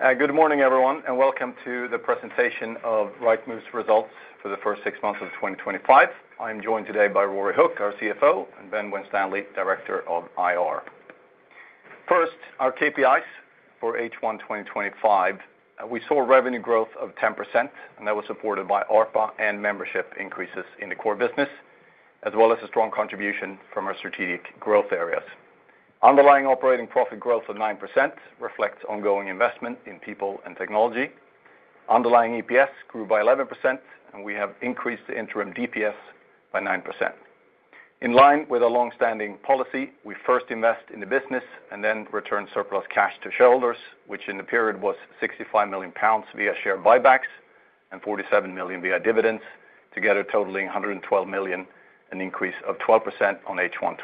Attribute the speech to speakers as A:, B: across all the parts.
A: Good morning everyone and welcome to the presentation of Rightmove's Results for the first six months of 2025. I am joined today by Ruaridh Hook, our CFO, and Ben Winstanley, Director of IR. First, our KPIs for H1 2025 we saw revenue growth of 10% and that was supported by ARPA and membership increases in the core business as well as a strong contribution from our strategic growth areas. Underlying operating profit growth of 9% reflects ongoing investment in people and technology, underlying EPS grew by 11% and we have increased the interim DPS by 9%. In line with a long-standing policy, we first invest in the business and then return surplus cash to shareholders, which in the period was 65 million pounds via share buybacks and 47 million via dividends, together totaling 112 million, an increase of 12% on H1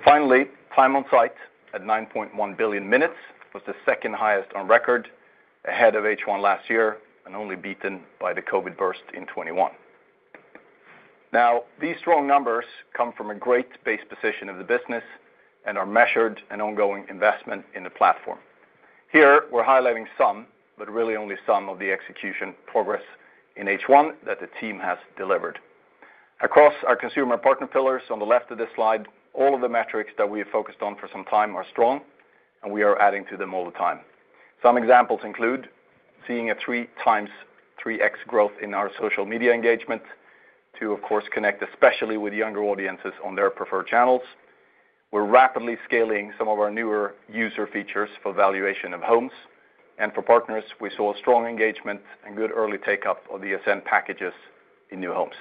A: 2024. Finally, time on site at 9.1 billion minutes was the second highest on record ahead of H1 last year and only beaten by the COVID burst in 2021. These strong numbers come from a great base position of the business and are measured in ongoing investment in the platform. Here we're highlighting some, but really only some, of the execution progress in H1 that the team has delivered across our consumer partner pillars on the left of this slide. All of the metrics that we have focused on for some time are strong and we are adding to them all the time. Some examples include seeing a 3x growth in our social media engagement to of course connect especially with younger audiences on their preferred channels. We're rapidly scaling some of our newer user features for valuation of homes and for partners. We saw strong engagement and good early take up of the Ascend packages in new homes.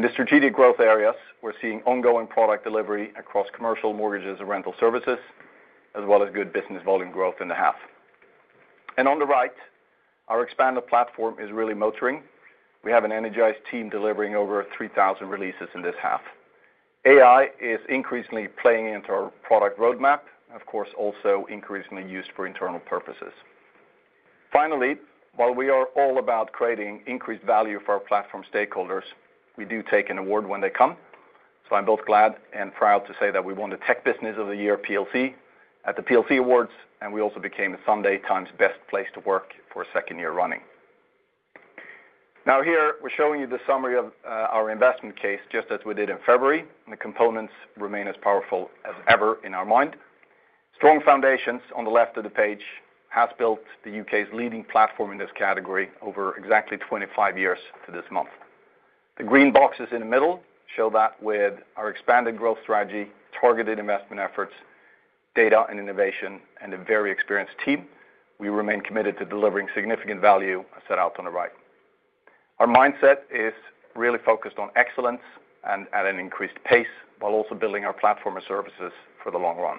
A: In the strategic growth areas we're seeing ongoing product delivery across commercial mortgages and rental services as well as good business volume growth in the half. On the right, our expanded platform is really motoring. We have an energized team delivering over 3,000 releases in this half. AI is increasingly playing into our product roadmap, of course also increasingly used for internal purposes. Finally, while we are all about creating increased value for our platform stakeholders, we do take an award when they come. I am both glad and proud to say that we won the Tech Business of the Year PLC at the PLC Awards and we also became a Sunday Times Best Place to Work for a second year running. Now here we're showing you the summary of our investment case just as we did in February, and the components remain as powerful as ever in our mind. Strong foundations on the left of the page have built the UK's leading platform in this category over exactly 25 years to this month. The green boxes in the middle show that with our expanded growth strategy, targeted investment efforts, data and innovation, and a very experienced team, we remain committed to delivering significant value set out on the right. Our mindset is really focused on excellence and at an increased pace while also building our platform and services for the long run.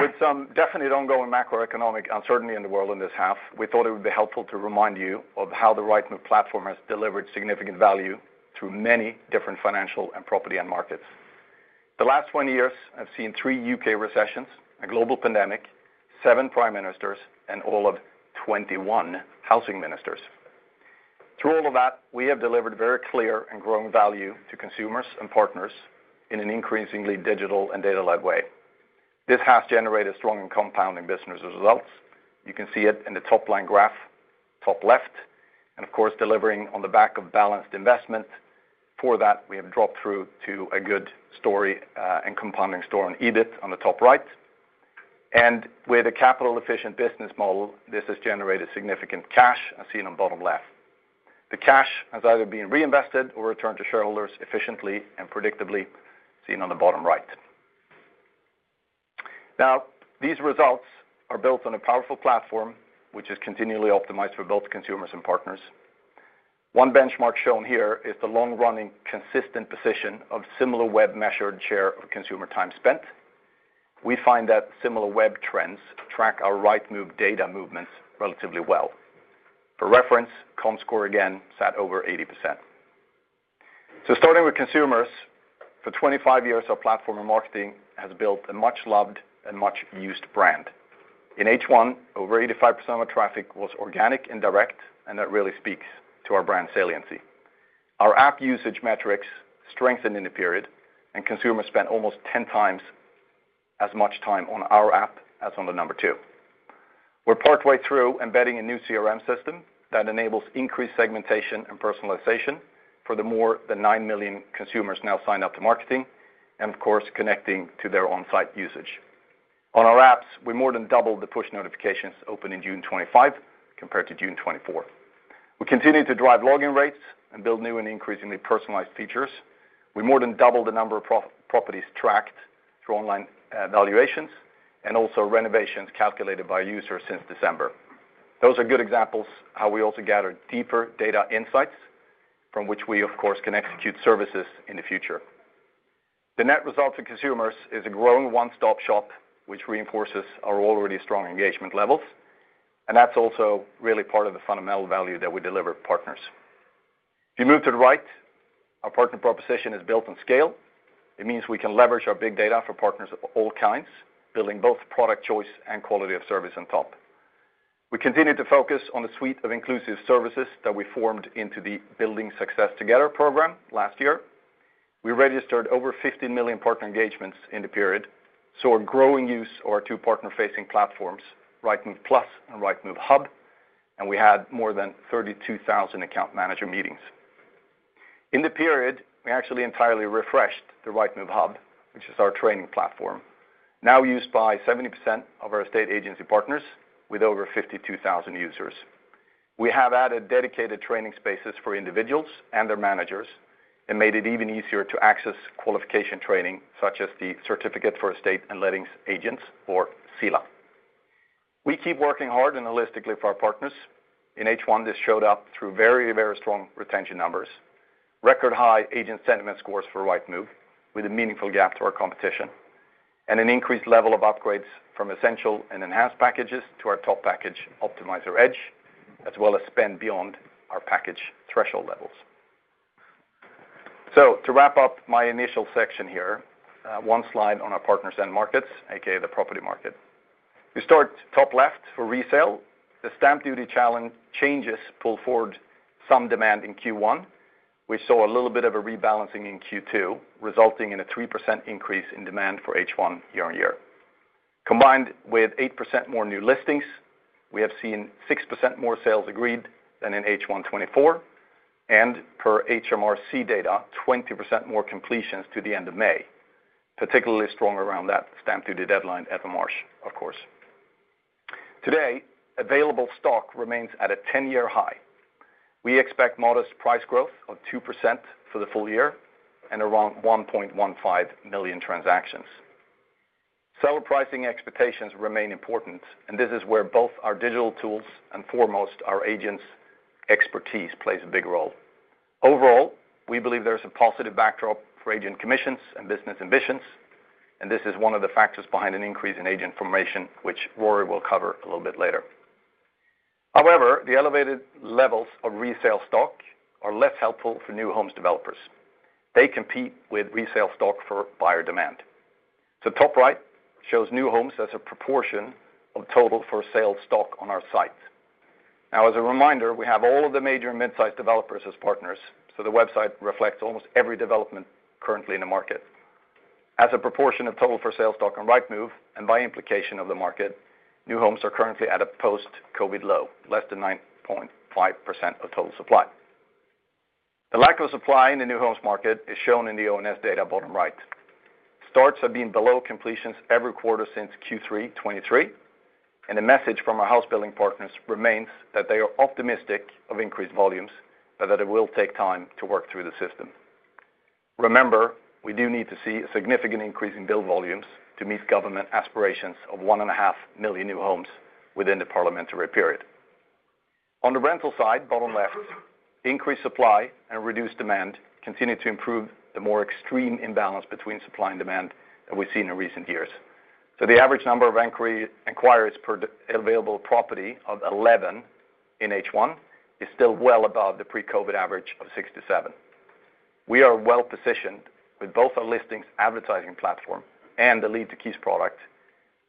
A: With some definite ongoing macroeconomic uncertainty in the world in this half, we thought it would be helpful to remind you of how the Rightmove platform has delivered significant value through many different financial and property end markets. The last 20 years have seen three UK recessions, a global pandemic, seven prime ministers, and all of 21 housing ministers. Through all of that, we have delivered very clear and growing value to consumers and partners in an increasingly digital and data-led way. This has generated strong and compounding business results. You can see it in the top line graph top left, and of course delivering on the back of balanced investment. For that, we have dropped through to a good story and compounding store on EBIT on the top right, and with a capital-efficient business model, this has generated significant cash as seen on bottom left. The cash has either been reinvested or returned to shareholders efficiently and predictably, seen on the bottom right. These results are built on a powerful platform which is continually optimized for both consumers and partners. One benchmark shown here is the long-running consistent position of Similarweb-measured share of consumer time spent. We find that Similarweb trends track our Rightmove data movements relatively well. For reference, comScore again sat over 80%. Starting with consumers, for 25 years our platform and marketing have built a much-loved and much-used brand. In H1, over 85% of our traffic was organic and direct, and that really speaks to our brand saliency. Our app usage metrics strengthened in the period, and consumers spent almost 10x as much time on our app as on the number two. We're partway through embedding a new CRM system that enables increased segmentation and personalization for the more than 9 million consumers now signed up to marketing and of course connecting to their on-site usage. On our apps we more than doubled the push notifications open in June 2025 compared to June 2024. We continue to drive login rates and build new and increasingly personalized features. We more than doubled the number of properties tracked through online valuations and also renovations calculated by users since December. Those are good examples of how we also gather deeper data insights from which we of course can execute services in the future. The net result for consumers is a growing one-stop shop which reinforces our already strong engagement levels, and that's also really part of the fundamental value that we deliver partners. If you move to the right, our partner proposition is built on scale. It means we can leverage our big data for partners of all kinds, building both product choice and quality of service on top. We continue to focus on the suite of inclusive services that we formed into the Building Success Together program last year. We registered over 15 million partner engagements in the period, saw a growing use of our two partner-facing platforms, Rightmove Plus and Rightmove Hub, and we had more than 32,000 account manager meetings in the period. We actually entirely refreshed the Rightmove Hub, which is our training platform now used by 70% of our estate agency partners. With over 52,000 users, we have added dedicated training spaces for individuals and their managers and made it even easier to access qualification training such as the Certificate for Estate and Lettings Agents or CELLA. We keep working hard and holistically for our partners in H1 this showed up through very, very strong retention numbers, record high agent sentiment scores for Rightmove with a meaningful gap to our competition, and an increased level of upgrades from Essential and Enhanced packages to our top package Optimiser Edge as well as spend beyond our package threshold levels. To wrap up my initial section here, one slide on our partners' end markets, AKA the property market. We start top left for resale. The stamp duty challenge changes pull forward some demand in Q1. We saw a little bit of a rebalancing in Q2, resulting in a 3% increase in demand for H1 year-on-year combined with 8% more new listings. We have seen 6% more sales agreed than in H1 2024 and per HMRC data, 20% more completions to the end of May, particularly strong around that stamp duty deadline at March of course. today available stock remains at a 10-year high. We expect modest price growth of 2% for the full year and around 1.15 million transactions. Seller pricing expectations remain important, and this is where both our digital tools and foremost our agents' expertise plays a big role. Overall, we believe there is a positive backdrop for agent commissions and business ambitions, and this is one of the factors behind an increase in agent formation, which Ruaridh will cover a little bit later. However, the elevated levels of resale stock are less helpful for new homes developers. They compete with resale stock for buyer demand. The top right shows new homes as a proportion of total for sale stock on our site. Now, as a reminder, we have all of the major and midsize developers as partners, so the website reflects almost every development currently in the market. As a proportion of total for sale stock on Rightmove and by implication of the market, new homes are currently at a post-Covid low, less than 9% of total supply. The lack of supply in the new homes market is shown in the ONS data. Bottom right, starts have been below completions every quarter since Q3 2023, and the message from our house building partners remains that they are optimistic of increased volumes, but that it will take time to work through the system. Remember, we do need to see a significant increase in build volumes to meet government aspirations of 1.5 million new homes within the parliamentary period. On the rental side, bottom left, increased supply and reduced demand continue to improve the more extreme imbalance between supply and demand that we've seen in recent years. The average number of enquiries per available property of 11 in H1 is still well above the pre-Covid average of six-seven. We are well positioned with both our listings advertising platform and the Lead to Keys product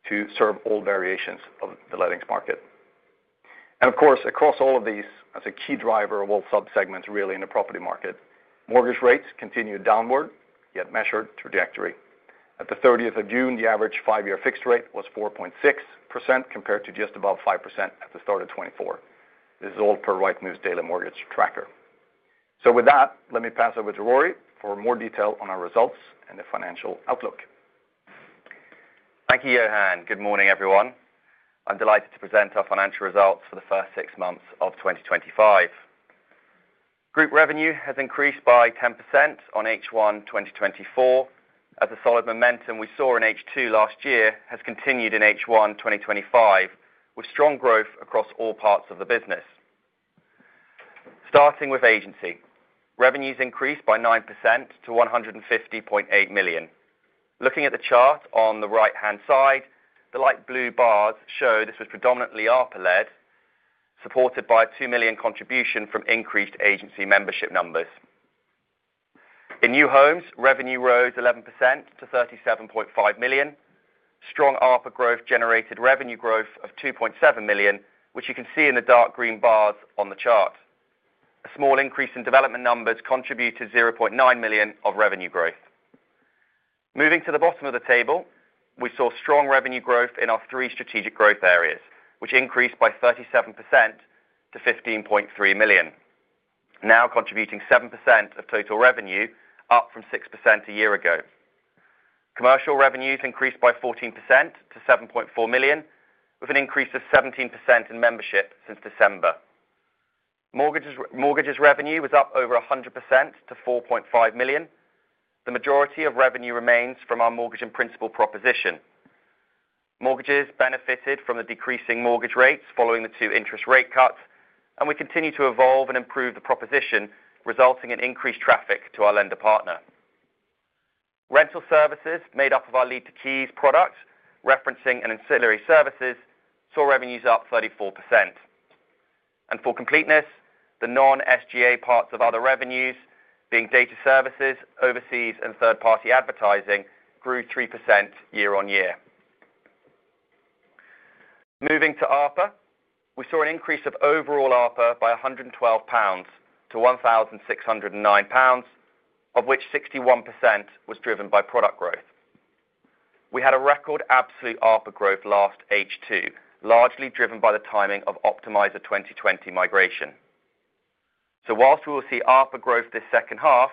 A: to serve all variations of the lettings market, and of course across all of these, as a key driver of all sub segments really in the property market, mortgage rates continued downward yet measured trajectory. At the 30th of June the average 5-year fixed rate was 4.6% compared to just above 5% at the start of 2024. This is all per Rightmove's daily mortgage tracker. With that, let me pass over to Ruaridh for more detail on our results and the financial outlook.
B: Thank you, Johan. Good morning, everyone. I'm delighted to present our financial results for the first six months of 2025. Group revenue has increased by 10% on H1 2024 as the solid momentum we saw in H2 last year has continued in H1 2025 with strong growth across all parts of the business. Starting with agency, revenues increased by 9% to 150.8 million. Looking at the chart on the right-hand side, the light blue bars show this was predominantly ARPA led, supported by aGBP 2 million contribution from increased agency membership numbers. In new homes, revenue rose 11% to 37.5 million. Strong ARPA growth generated revenue growth of 2.7 million, which you can see in the dark green bars on the chart. A small increase in development numbers contributed £0.9 million of revenue growth. Moving to the bottom of the table, we saw strong revenue growth in our three strategic growth areas, which increased by 37% to 15.3 million, now contributing 7% of total revenue, up from 6% a year ago. Commercial revenues increased by 14% to 7.4 million, with an increase of 17% in membership since December. Mortgages revenue was up over 100% to 4.5 million. The majority of revenue remains from our mortgage and principal proposition. Mortgages benefited from the decreasing mortgage rates following the two interest rate cuts, and we continue to evolve and improve the proposition, resulting in increased traffic to our lender partner. Rental services, made up of our lead to keys products, referencing, and ancillary services, saw revenues up 34%. For completeness, the non-SGA parts of other revenues, being data services, overseas, and third-party advertising, grew 3% year-on-year. Moving to ARPA, we saw an increase of overall ARPA by 112 pounds-GBP1,609, of which 61% was driven by product growth. We had a record absolute ARPA growth last H2, largely driven by the timing of Optimiser 2020 migration. While we will see ARPA growth this second half,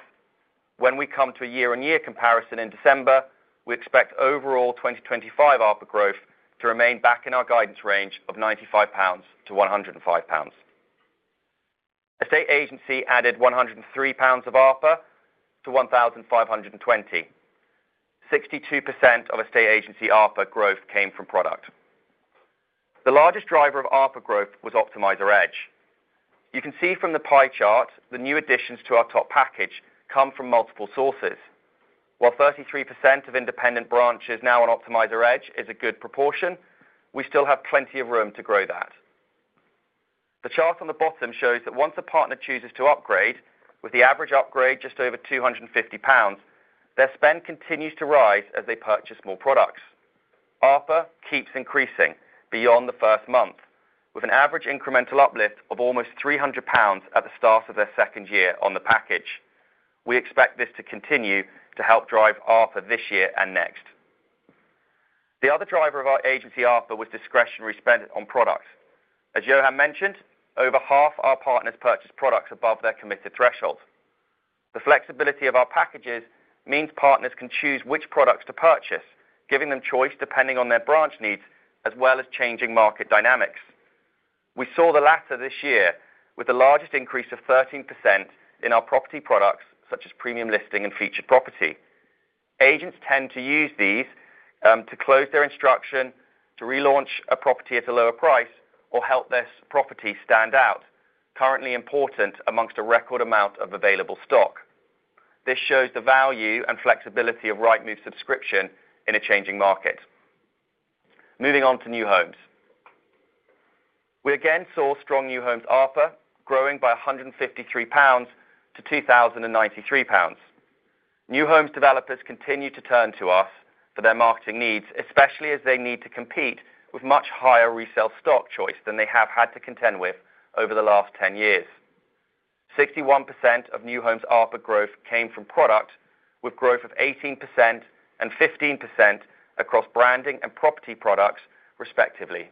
B: when we come to a year-on-year comparison in December, we expect overall 2025 ARPA growth to remain back in our guidance range of GBP95-GBP105. Estate agency added 103 pounds of ARPA 1,520. 62% of estate agency ARPA growth came from product. The largest driver of ARPA growth was Optimiser Edge. You can see from the pie chart the new additions to our top package come from multiple sources. While 33% of independent branches now on Optimiser Edge is a good proportion, we still have plenty of room to grow that. The chart on the bottom shows that once a partner chooses to upgrade with the average upgrade just over 250 pounds, their spend continues to rise as they purchase more products. ARPA keeps increasing beyond the first month with an average incremental uplift of almost 300 pounds at the start of their second year on the package. We expect this to continue to help drive ARPA this year and next. The other driver of our agency ARPA was discretionary spend on products. As Johan mentioned, over half our partners purchase products above their committed threshold. The flexibility of our packages means partners can choose which products to purchase, giving them choice depending on their branch needs as well as changing market dynamics. We saw the latter this year with the largest increase of 13% in our property products such as Premium Listing and Featured Property. Agents tend to use these to close their instruction, to relaunch a property at a lower price, or help their property stand out. Currently important amongst a record amount of available stock. This shows the value and flexibility of Rightmove subscription in a changing market. Moving on to new homes, we again saw strong new homes ARPA growing by 153-2,093 pounds. New homes developers continue to turn to us for their marketing needs, especially as they need to compete with much higher resale stock choice than they have had to contend with over the last 10 years. 61% of new homes ARPA growth came from product, with growth of 18% and 15% across branding and property products respectively.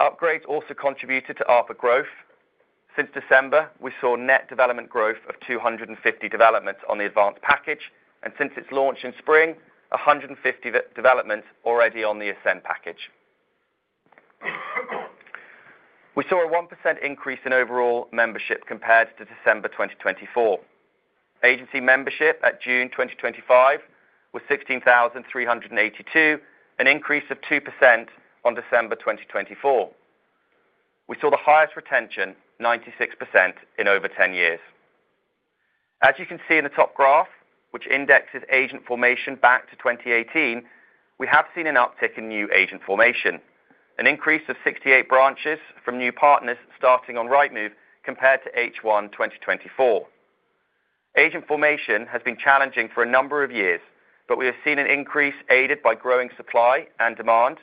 B: Upgrades also contributed to ARPA growth. Since December, we saw net development growth of 250 developments on the Advance package and since its launch in spring, 150 developments already on the Ascend package. We saw a 1% increase in overall membership compared to December 2024. Agency membership at June 2025 was 16,382, an increase of 2% on December 2024. We saw the highest retention, 96%, in over 10 years. As you can see in the top graph, which indexes agent formation back to 2018, we have seen an uptick in new agent formation, an increase of 68 branches from new partners starting on Rightmove compared to H1 2024. Agent formation has been challenging for a number of years, but we have seen an increase aided by growing supply and demand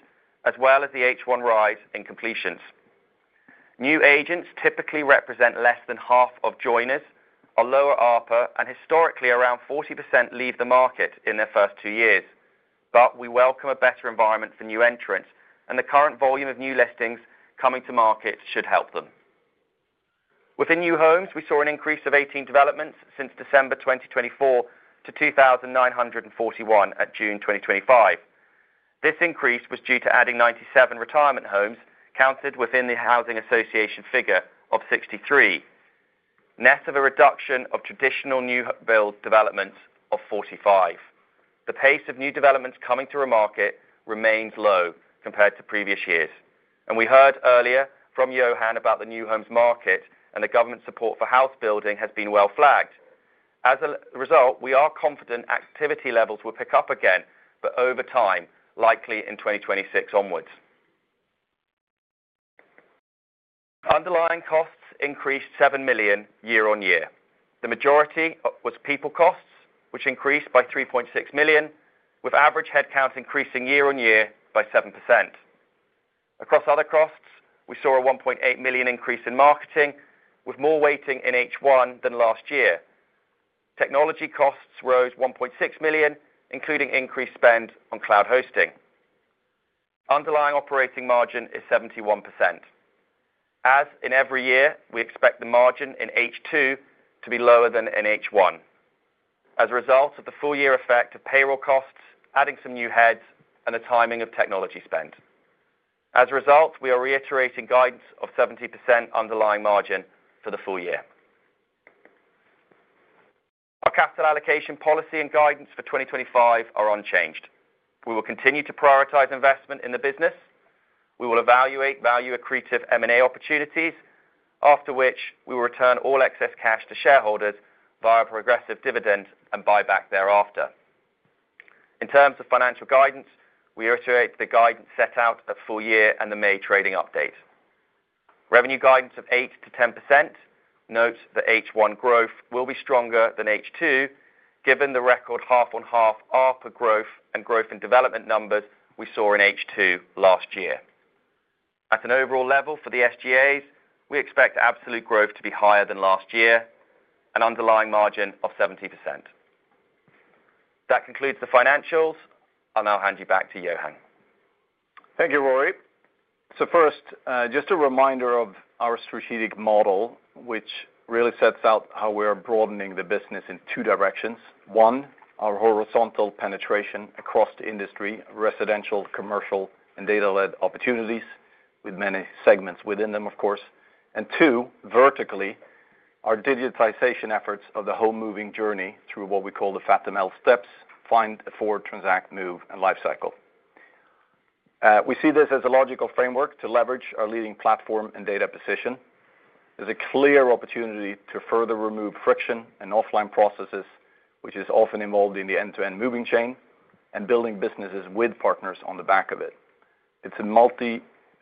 B: as well as the H1 rise in completions. New agents typically represent less than half of joiners, a lower ARPA, and historically around 40% leave the market in their first two years. We welcome a better environment for new entrants and the current volume of new listings coming to market should help them. Within new homes, we saw an increase of 18 developments since December 2024 to 2,941 at June 2025. This increase was due to adding 97 retirement homes counted within the housing association figure of 63, net of a reduction of traditional new build developments of 45. The pace of new developments coming to market remains low compared to previous years and we heard earlier from Johan about the new homes market and the government support for house building has been well flagged. As a result, we are confident activity levels will pick up again but over time, likely in 2026 onwards. Underlying costs increased 7 million year on year. The majority was people costs, which increased by 3.6 million, with average headcount increasing year on year by 7%. Across other costs, we saw a 1.8 million increase in marketing, with more weighting in H1 than last year. Technology costs rose 1.6 million, including increased spend on cloud hosting. Underlying operating margin is 71%. As in every year, we expect the margin in H2 to be lower than in H1. As a result of the full year effect of payroll costs, adding some new heads, and the timing of technology spend. As a result, we are reiterating guidance of 70% underlying margin for the full year. Our capital allocation policy and guidance for 2025 are unchanged. We will continue to prioritize investment in the business. We will evaluate value accretive M&A opportunities, after which we will return all excess cash to shareholders via progressive dividend and buyback thereafter. In terms of financial guidance, we reiterate the guidance set out at full year and the May trading update. Revenue guidance of 8%-10% notes that H1 growth will be stronger than H2 given the record half-on-half ARPA growth and growth and development numbers we saw in H2 last year. At an overall level for the SG&A, we expect absolute growth to be higher than last year, an underlying margin of 70%. That concludes the financials. I'll now hand you back to Johan. Thank you, Ruaridh.
A: First, just a reminder of our strategic model which really sets out how we are broadening the business in two directions. One, our horizontal penetration across the industry, residential, commercial, and data-led opportunities with many segments within them of course, and two, vertically, our digitization efforts of the home moving journey through what we call the FATML steps: find, afford, transact, move, and lifecycle. We see this as a logical framework to leverage our leading platform and data position. There's a clear opportunity to further remove friction and offline processes which is often involved in the end-to-end moving chain and building businesses with partners on the back of it. It's a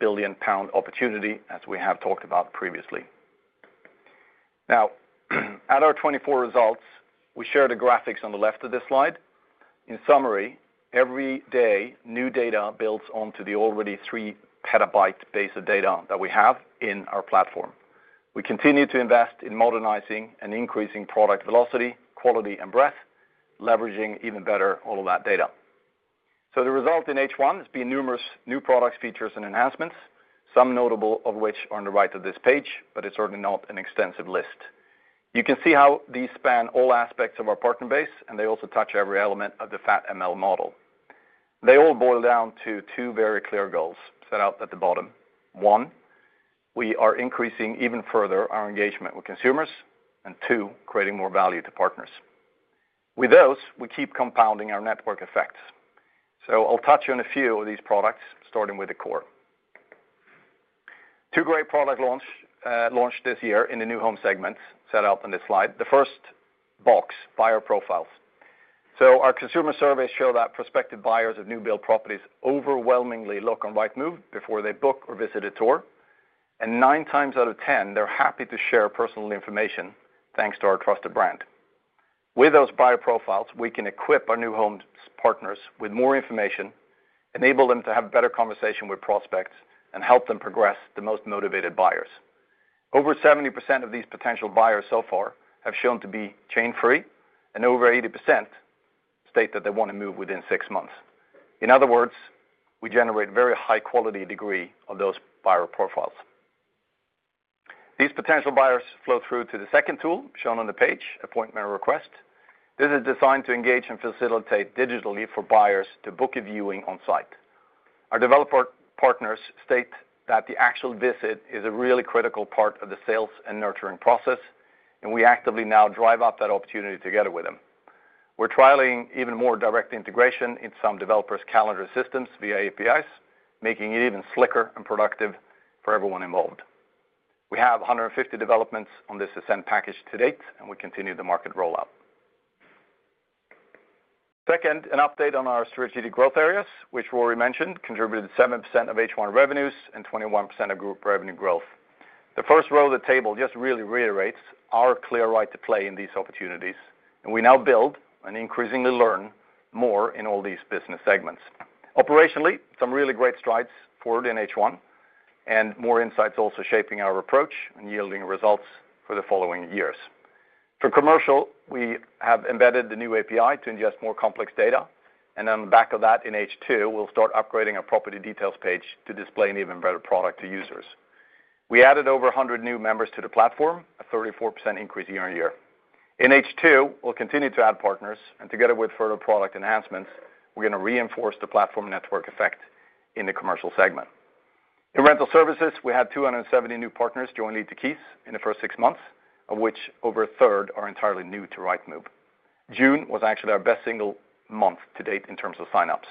A: multi-billion pound opportunity as we have talked about previously. At our 2024 results, we shared the graphics on the left of this slide. In summary, every day new data builds onto the already 3PB base of data that we have in our platform. We continue to invest in modernizing and increasing product velocity, quality, and breadth, leveraging even better all of that data. The result in H1 has been numerous new products, features, and enhancements, some notable of which are on the right of this page. It's certainly not an extensive list. You can see how these span all aspects of our partner base and they also touch every element of the FATML model. They all boil down to two very clear goals set out at the bottom. One, we are increasing even further our engagement with consumers, and two, creating more value to partners with those we keep compounding our network effects. I'll touch on a few of these products starting with the core two great products launched this year in the new home segments set up on this slide. The first box, Buyer Profiles, so our consumer surveys show that prospective buyers of new build properties overwhelmingly look on Rightmove before they book or visit a tour. Nine times out of 10 they're happy to share personal information thanks to our trusted brand. With those buyer profiles, we can equip our new home partners with more information, enable them to have better conversations with prospects, and help them progress. The most motivated buyers, over 70% of these potential buyers so far have shown to be chain free, and over 80% state that they want to move within six months. In other words, we generate a very high quality degree of those buyer profiles. These potential buyers flow through to the second tool shown on the page, Appointment request. This is designed to engage and facilitate digitally for buyers to book a viewing on site. Our developer partners state that the actual visit is a really critical part of the sales and nurturing process, and we actively now drive up that opportunity. Together with them, we're trialing even more direct integration in some developers' calendar systems via APIs, making it even slicker and productive for everyone involved. We have 150 developments on this Ascend package to date, and we continue the market rollout. Second, an update on our strategic growth areas, which Ruaridh mentioned, contributed 7% of H1 revenues and 21% of group revenue growth. The first row of the table just really reiterates our clear right to play in these opportunities, and we now build and increasingly learn more in all these business segments. Operationally some really great strides forward in H1 and more insights also shaping our approach and yielding results for the following years. For commercial, we have embedded the new API to ingest more complex data, and on the back of that in H2, we'll start upgrading our property details page to display an even better product to users. We added over 100 new members to the platform, a 34% increase year-on-year. In H2, we'll continue to add partners, and together with further product enhancements, we're going to reinforce the platform network effect in the commercial segment. In rental services, we had 270 new partners join Lead to Keys in the first six months, of which over a third are entirely new to Rightmove. June was actually our best single month to date in terms of signups.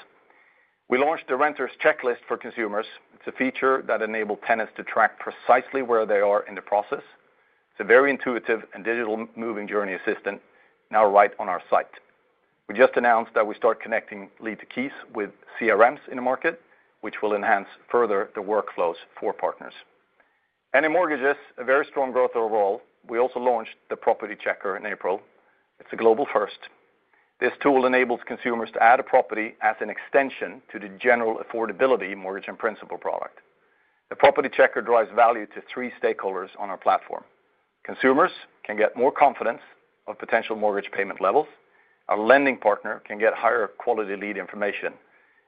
A: We launched the Renters Checklist for consumers. It's a feature that enabled tenants to track precisely where they are in the process. It's a very intuitive and digital moving journey assistant. Now, right on our site, we just announced that we start connecting Lead to Keys with CRMs in the market, which will enhance further the workflows for partners. In mortgages, a very strong growth overall. We also launched the Property Checker in April. It's a global first. This tool enables consumers to add a property as an extension to the general affordability mortgage and principal product. The Property Checker drives value to three stakeholders on our platform, consumers can get more confidence of potential mortgage payment levels. Our lending partner can get higher quality lead information,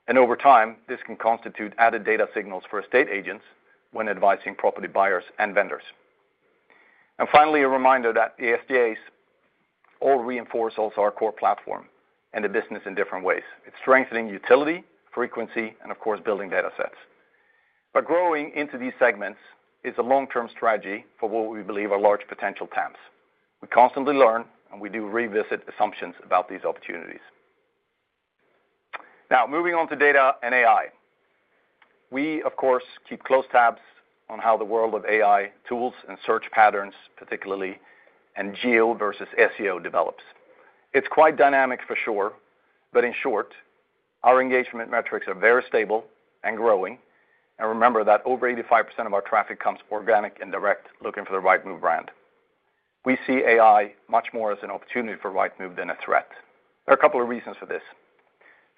A: and over time this can constitute added data signals for estate agents when advising property buyers and vendors. Finally, a reminder that the SDAs all reinforce our core platform and the business in different ways. It is strengthening utility, frequency, and of course building data sets. Growing into these segments is a long-term strategy for what we believe are large potential taps. We constantly learn, and we do revisit assumptions about these opportunities. Now, moving on to data and AI, we of course keep close tabs on how the world of AI tools and search patterns, particularly in geo versus SEO, develops. It is quite dynamic for sure. In short, our engagement metrics are very stable and growing. Remember that over 85% of our traffic comes organic and direct. Looking for the Rightmove brand, we see AI much more as an opportunity for Rightmove than a threat. There are a couple of reasons for this.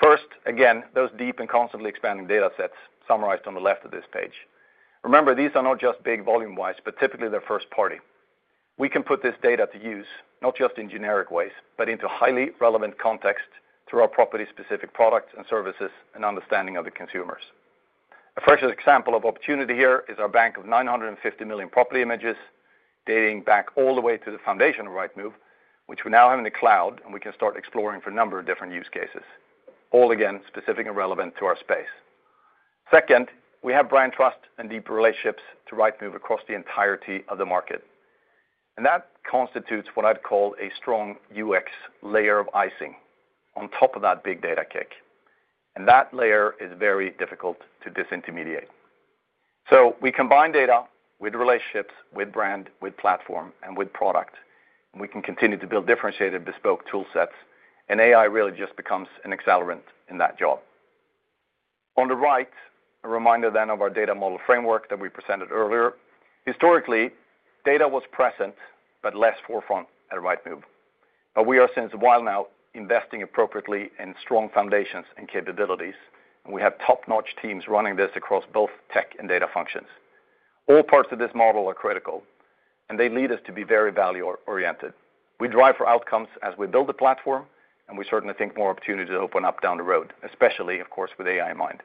A: First, again, those deep and constantly expanding data sets summarized on the left of this page. Remember these are not just big volume-wise, but typically they're first party. We can put this data to use not just in generic ways but into highly relevant context through our property specific products and services and understanding of the consumers. A fresh example of opportunity here is our bank of 950 million property images dating back all the way to the foundation of Rightmove, which we now have in the cloud. We can start exploring for a number of different use cases, all again specific and relevant to our space. Second, we have brand trust and deep relationships to Rightmove across the entirety of the market, and that constitutes what I'd call a strong UX layer of icing on top of that big data kick. That layer is very difficult to disintermediate. We combine data with relationships, with brand, with platform, and with product. We can continue to build differentiated bespoke tool sets, and AI really just becomes an accelerant in that job. On the right, a reminder then of our data model framework that we presented earlier. Historically, data was present but less forefront at Rightmove, but we are since a while now investing appropriately in strong foundations and capabilities, and we have top notch teams running this across both tech and data functions. All parts of this model are critical, and they lead us to be very value oriented. We drive for outcomes as we build the platform, and we certainly think more opportunities open up down the road, especially of course with AI in mind.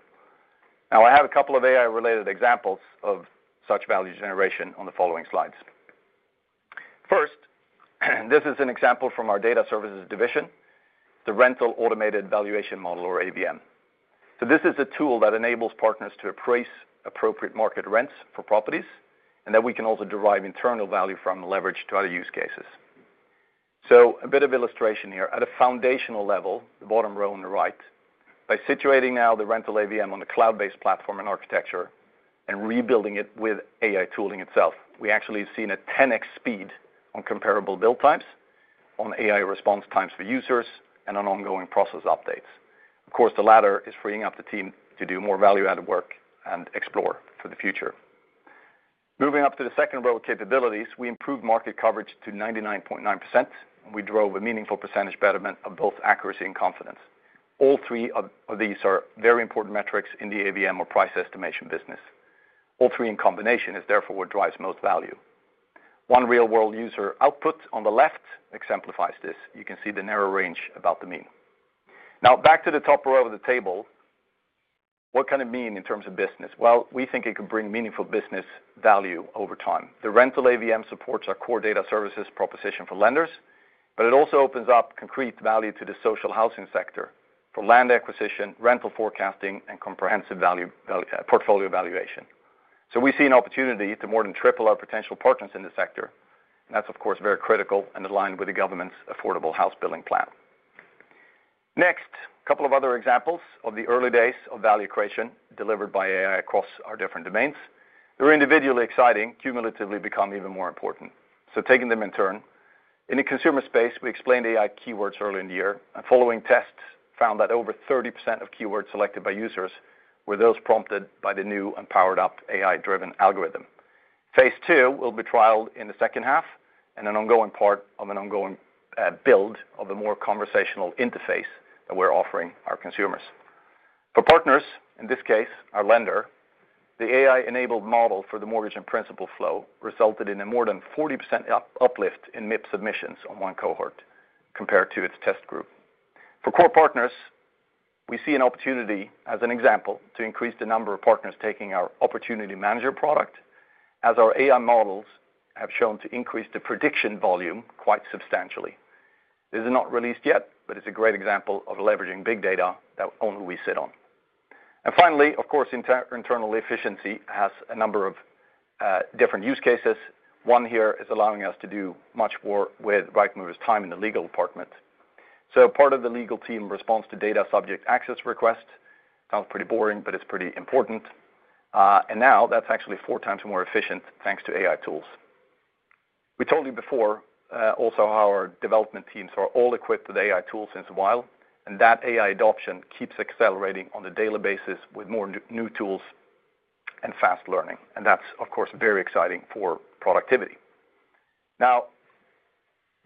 A: Now I have a couple of AI-related examples of such value generation on the following slides. First, this is an example from our data services division, the Rental Automated Valuation Model or AVM. This is a tool that enables partners to appraise appropriate market rents for properties and that we can also derive internal value from, leveraged to other use cases. A bit of illustration here at a foundational level: the bottom row on the right, by situating now the Rental AVM on the cloud-based platform and architecture and rebuilding it with AI tooling itself, we actually have seen a 10x speed on comparable build types on AI, response times for users, and ongoing process updates. Of course, the latter is freeing up the team to do more value-added work and explore for the future. Moving up to the second row of capabilities, we improved market coverage to 99.9%. We drove a meaningful percentage betterment of both accuracy and confidence. All three of these are very important metrics in the AVM or price estimation business. All three in combination is therefore what drives most value. One real-world user output on the left exemplifies this. You can see the narrow range about the mean. Now back to the top row of the table. What can it mean in terms of business? We think it could bring meaningful business value over time. The Rental AVM supports our core data services proposition for lenders, but it also opens up concrete value to the social housing sector for land acquisition, rental forecasting, and comprehensive portfolio valuation. We see an opportunity to more than triple our potential partners in the sector. That's of course very critical and aligned with the government's affordable house building planning. Next, a couple of other examples of the early days of value creation delivered by AI across our different domains. They're individually exciting, cumulatively become even more important. Taking them in turn in the consumer space, we explained AI keywords earlier in the year, and following tests found that over 30% of keywords selected by users were those prompted by the new and powered up AI-driven algorithm. Phase II will be trialed in the second half and is an ongoing part of an ongoing build of a more conversational interface that we're offering our consumers. For partners, in this case our lender the AI-enabled model for the Mortgage in Principle flow resulted in a more than 40% uplift in MIPS submissions on one cohort compared to its test group. For core partners we see an opportunity as an example to increase the number of partners taking our Opportunity Manager product as our AI models have shown to increase the prediction volume quite substantially. This is not released yet, but it's a great example of leveraging big data that only we sit on. Finally, of course, Internal Efficiency has a number of different use cases. One here is allowing us to do much more with Rightmove's time in the legal department. Part of the legal team responds to data subject access requests. Sounds pretty boring, but it's pretty important. Now that's actually 4x more efficient thanks to AI tools. We told you before, also our development teams are all equipped with AI tools since a while and that AI adoption keeps accelerating on a daily basis with more new tools and fast learning. That's of course very exciting for productivity. Now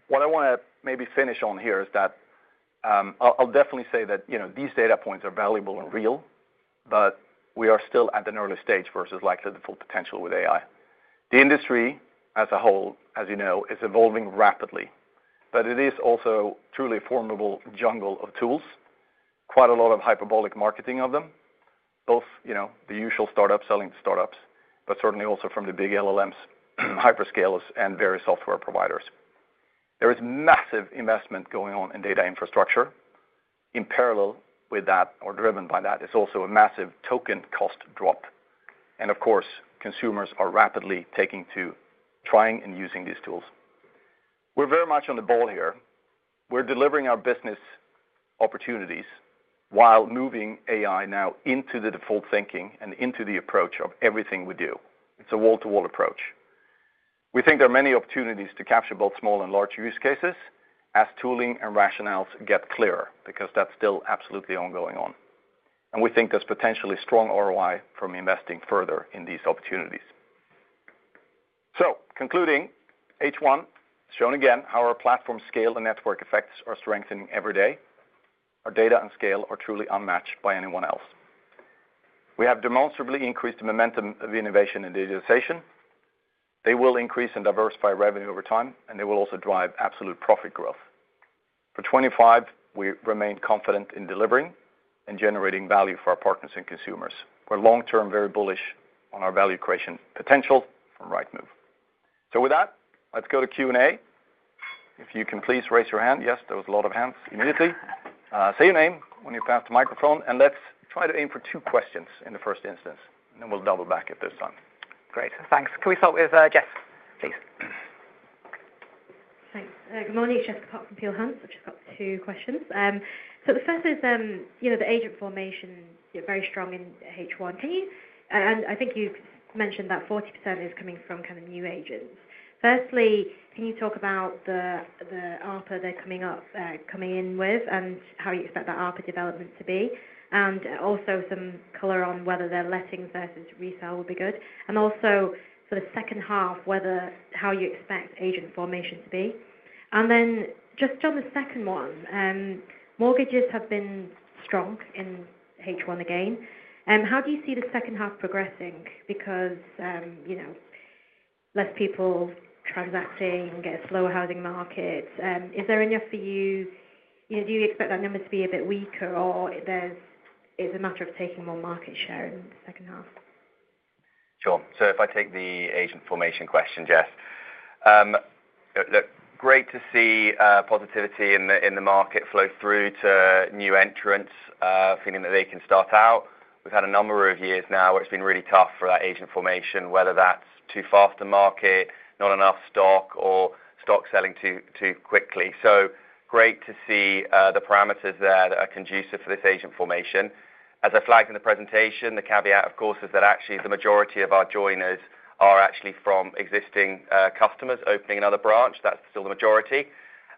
A: what I want to maybe finish on here is that I'll definitely say that these data points are valuable and real, but we are still at an early stage versus likely the full potential with AI. The industry as a whole, as you know, is evolving rapidly, but it is also truly a formidable jungle of tools. Quite a lot of hyperbolic marketing of them, both, you know, the usual startups selling startups, but certainly also from the big LLMs, hyperscalers, and various software providers. There is massive investment going on in data infrastructure. In parallel with that or driven by that is also a massive token cost drop. Of course, consumers are rapidly taking to trying and using these tools. We're very much on the ball here. We're delivering our business opportunities while moving AI now into the default thinking and into the approach of everything we do. It's a wall-to-wall approach. We think there are many opportunities to capture both small and large use cases as tooling and rationales get clearer because that's still absolutely ongoing and we think there's potentially strong ROI from investing further in these opportunities. Concluding, H1 has shown again how our platform scale and network effects are strengthening every day. Our data and scale are truly unmatched by anyone else. We have demonstrably increased the momentum of innovation and digitization. They will increase and diversify revenue over time, and they will also drive absolute profit growth. For 2025 we remain confident in delivering and generating value for our partners and consumers. We're long term very bullish on our value creation potential from Rightmove. With that, let's go to Q and A. If you can, please raise your hand. There was a lot of hands. Immediately say your name when you pass the microphone, and let's try to aim for two questions in the first instance, then we'll double back at this time.
C: Great, thanks. Can we start with Jessica, please?
D: Thanks. Good morning, it's Jessica Pok from Peel Hunt. I've just got two questions. The first is the agent formation very strong in H1P? I think you mentioned that 40% is coming from kind of new agents. Firstly, can you talk about the ARPA they're coming in with and how you expect that ARPA development to be, and also some color on whether their letting versus resale would be good. Also, for the second half, how you expect agent formation to be? Just on the second one, mortgages have been strong in H1. Again, how do you see the second half progressing? Because less people transacting get slower housing markets. Is there enough for you? Do you expect that number to be a bit weaker or it's a matter of taking more market share in the second half.
B: Sure. If I take the agent formation question, Jess, great to see positivity in the market flow through to new entrants feeling that they can start out. We've had a number of years now where it's been really tough for that agent formation, whether that's too fast to market, not enough stock, or stock selling too quickly. Great to see the parameters there that are conducive for this agent formation. As I flagged in the presentation, the caveat, of course, is that actually the majority of our joiners are actually from existing customers opening another branch. That's still the majority,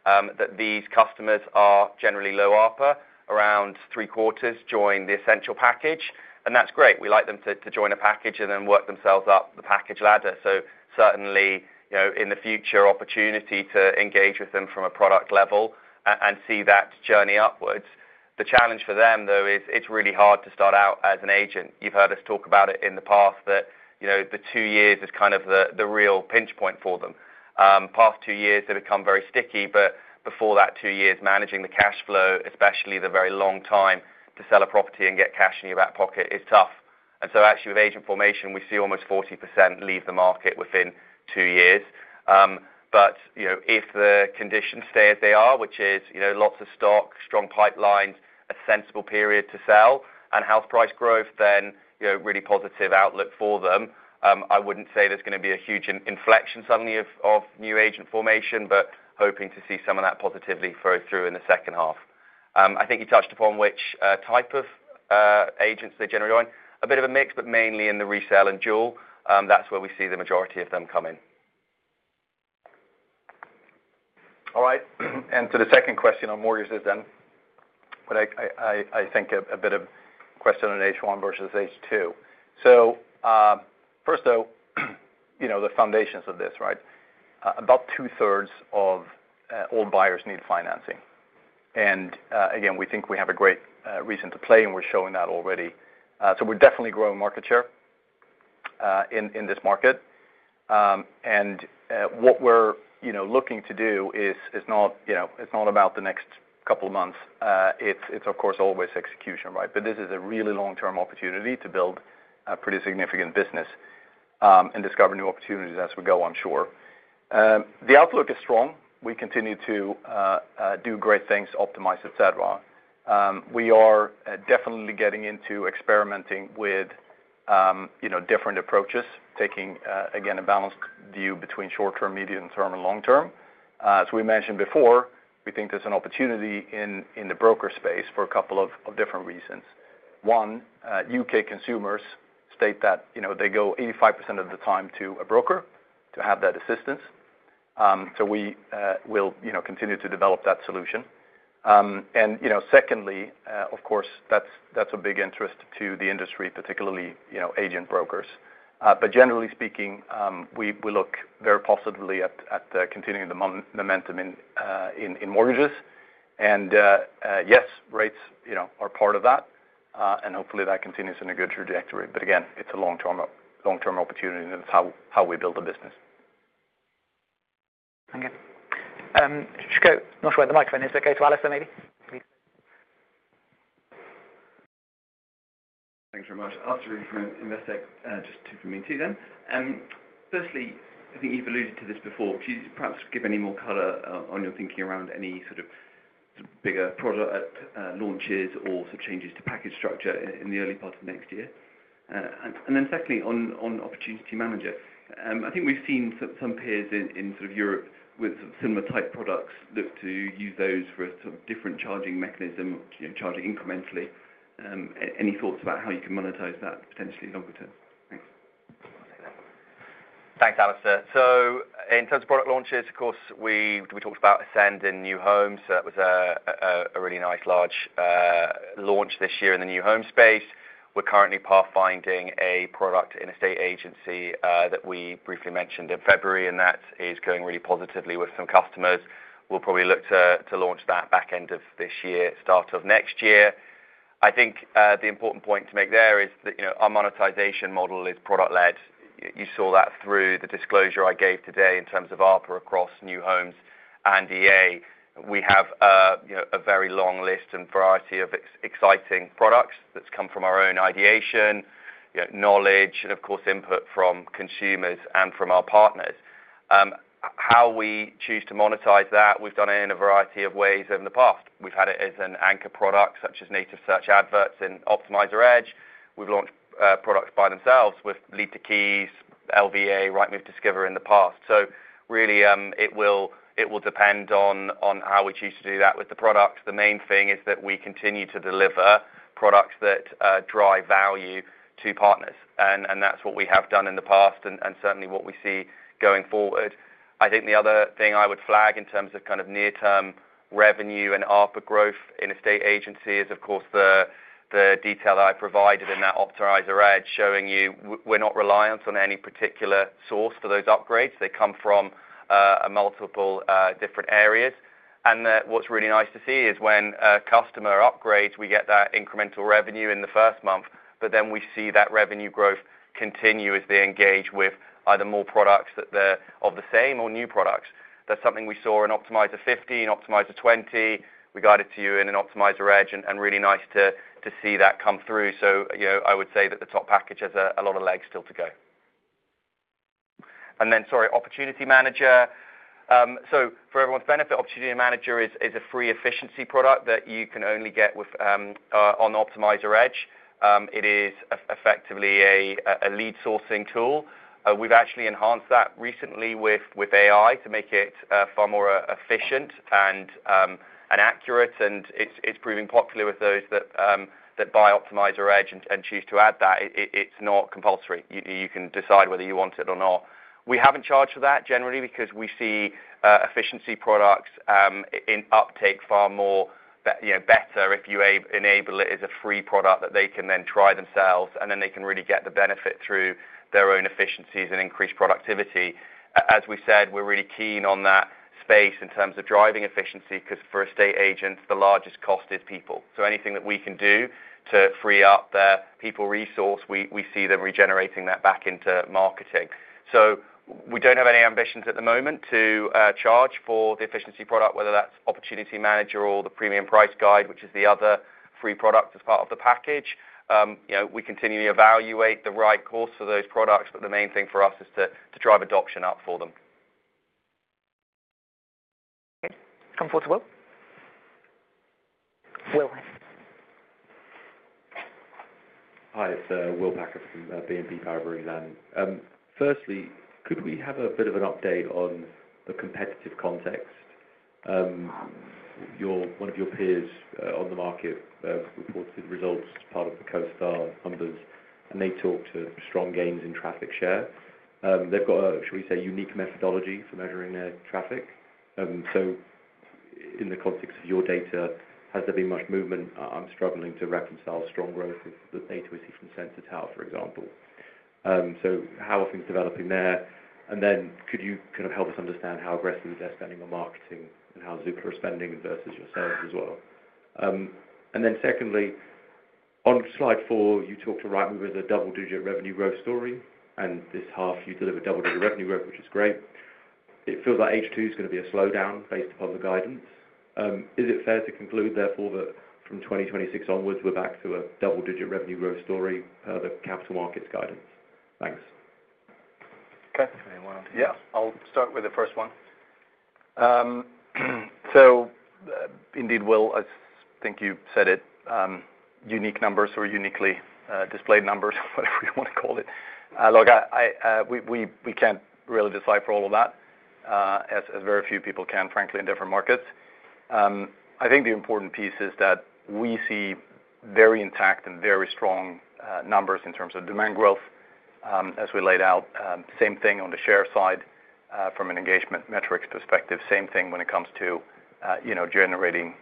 B: that these customers are generally low ARPA, around 3/4 join the essential package. That's great. We like them to join a package and then work themselves up the package ladder. Certainly in the future, opportunity to engage with them from a product level and see that journey upwards. The challenge for them though is it's really hard to start out as an agent. You've heard us talk about it in the past that the two years is kind of the real pinch point for them. Past two years they become very sticky, but before that, two years managing the cash flow, especially the very long time to sell a property and get cash in your back pocket, is tough. Actually with agent formation we see almost 40% leave the market within two years. If the conditions stay as they are, which is lots of stock, strong pipelines, a sensible period to sell, and house price growth, then really positive outlook for them. I wouldn't say there's going to be a huge inflection suddenly of new agent formation, but hoping to see some of that positively through in the second half. I think you touched upon which type of agents, they generally join a bit of a mix, but mainly in the resale and dual. That's where we see the majority of them come in.
A: All right, to the second question on mortgages, I think a bit of question on H1 versus H2. First, you know the foundations of this, right? About 2/3 of all buyers need financing and again we think we have a great reason to play and we're showing that already. We're definitely growing market share in this market and what we're looking to do is it's not about the next couple of months, it's of course always execution, right. This is a really long term opportunity to build a pretty significant business and discover new opportunities as we go. I'm sure the outlook is strong, we continue to do great things, optimize, et cetera. We are definitely getting into experimenting with different approaches, taking again a balanced view between short term, medium term and long term. As we mentioned before, we think there's an opportunity in the broker space for a couple of different reasons. One, UK consumers state that they go 85% of the time to a broker to have that assistance. We will continue to develop that solution. Secondly, of course that's a big interest to the industry, particularly agent brokers. Generally speaking, we look very positively at continuing the momentum in mortgages and yes, rates are part of that and hopefully that continues in a good trajectory. Again, it's a long term opportunity and it's how we build the business.
C: Not sure where the microphone is, but go to Alison maybe. Thanks very much, Alison from Investec. Just two from me too then. Firstly, I think you've alluded to this before could you perhaps give any more color on your thinking around any sort of bigger product launches or changes to package structure in the early part of next year? Secondly, on Opportunity Manager, I think we've seen some peers in Europe. With similar type products, look to use those for a different charging mechanism, charging incrementally. Any thoughts about how you can monetize? That potentially longer term? Thanks.
B: Thanks, Alison. In terms of product launches, of course we talked about Ascend in new homes. That was a really nice large launch this year in the new home space. We're currently pathfinding a product in estate agency that we briefly mentioned in February, and that is going really positively with some customers. We'll probably look to launch that back end of this year, start of next year. I think the important point to make there is that our monetization model is product led. You saw that through the disclosure I gave today. In terms of ARPA across new homes and estate agency, we have a very long list and variety of exciting products that's come from our own ideation, knowledge, and of course input from consumers and from our partners. How we choose to monetize that, we've done it in a variety of ways in the past. We've had it as an anchor product such as Native Search adverts and Optimiser Edge. We've launched products by themselves with Lead to Keys, LVA, Rightmove Discover in the past. It will depend on how we choose to do that with the products. The main thing is that we continue to deliver products that drive value to partners, and that's what we have done in the past and certainly what we see going forward. I think the other thing I would flag in terms of kind of near-term revenue and ARPA growth in estate agency is of course the detail that I provided in that Optimiser ad showing you we're not reliant on any particular source for those upgrades. They come from multiple different areas, and what's really nice to see is when a customer upgrades, we get that incremental revenue in the first month. We see that revenue growth continue as they engage with either more products that are of the same or new products. That's something we saw in Optimiser 15, Optimiser 20. We guided to you in an Optimiser Edge, and really nice to see that come through. I would say that the top package has a lot of legs to go. Sorry, Opportunity Manager. For everyone's benefit, Opportunity Manager is a free efficiency product that you can only get on Optimiser Edge. It is effectively a lead sourcing tool. We've actually enhanced that recently with AI to make it far more efficient and accurate. It's proving popular with those that buy Optimiser Edge and choose to add that. It's not compulsory. You can decide whether you want it or not. We haven't charged for that generally because we see efficiency products in uptake far more better if you enable it as a free product that they can then try themselves, and then they can really get the benefit through their own efficiencies and increased productivity. As we said, we're really keen on that space in terms of driving efficiency because from estate agents the largest cost is people. Anything that we can do to free up their people resource, we see them regenerating that back into marketing. We don't have any ambitions at the moment to charge for the efficiency product, whether that's Opportunity Manager or the Premium Price Guide, which is the other free product. As part of the package, we continually evaluate the right course for those products. The main thing for us is to drive adoption up for them.
C: Come forward to Will. Will,
E: Hi, it's William Packer from BNP Paribas Exane. Firstly, could we have a bit of an update on the competitive context? One of your peers, on the market, reported results as part of the CoStar numbers, and they talked to strong gains in traffic share. They've got, should we say, unique methodology for measuring their traffic. In the context of your data, has there been much movement? I'm struggling to reconcile strong growth with. The data we see from Sensor Tower, for example, how are things developing there? Could you kind of help us understand how aggressively they're spending on marketing and how Zoopla are spending versus your sales as well? Secondly, on slide four, you talked to Rightmove as a double digit revenue growth story and this half you delivered double digit revenue growth, which is great. It feels like H2 is going to be a slowdown based upon the guidance. Is it fair to conclude therefore that. From 2026 onwards, we're back to a double digit revenue growth story per the capital markets guidance? Thanks.
A: Okay,[audio disortion] yeah, I'll start with the first one. Indeed, Will, I think you said it, unique numbers or uniquely displayed numbers, whatever you want to call it. Look, we can't really decipher all of that as very few people can, frankly, in different markets. I think the important piece is that we see very intact and very strong numbers in terms of demand growth as we laid out. Same thing on the share side from an engagement metrics perspective. Same thing when it comes to generating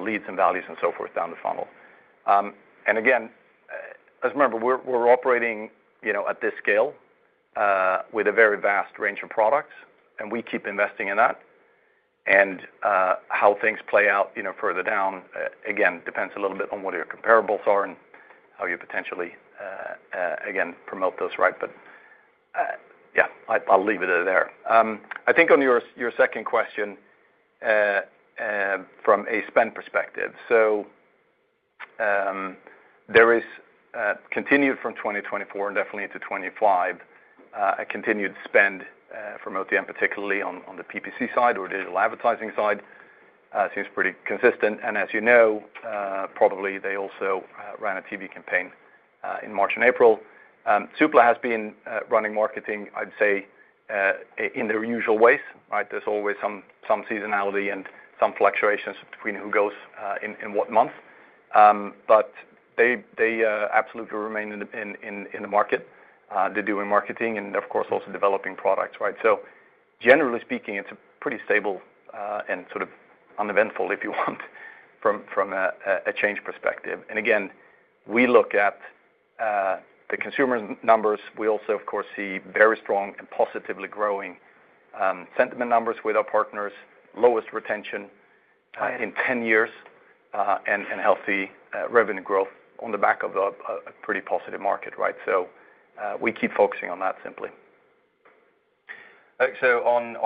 A: leads and values and so forth down the funnel. As you remember, we're operating at this scale with a very vast range of products and we keep investing in that and how things play out further down, again, depends a little bit on what your comparables are and how you potentially again promote those right. I'll leave it there. I think on your second question from a spend perspective. So there is continued from 2024 and definitely into 2025. A continued spend from OnTheMarket, particularly on the PPC side or digital advertising side, seems pretty consistent. As you know, probably they also ran a TV campaign in March and April. Zoopla has been running marketing, I'd say in their usual ways. There's always some seasonality and some fluctuations between who goes in what month, but they absolutely remain in the market. They're doing marketing and of course also developing products. Right. Generally speaking, it's a pretty stable and sort of uneventful, if you want, from a change perspective. We look at the consumer numbers, we also of course see very strong and positively growing sentiment numbers with our partners, lowest retention in 10 years, and healthy revenue growth on the back of a pretty positive market. We keep focusing on that simply. On